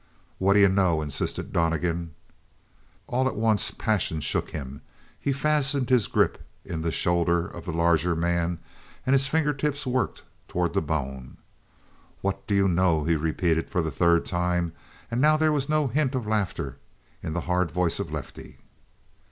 "What d'you know?" insisted Donnegan. All at once passion shook him; he fastened his grip in the shoulder of the larger man, and his fingertips worked toward the bone. "What do you know?" he repeated for the third time, and now there was no hint of laughter in the hard voice of Lefty.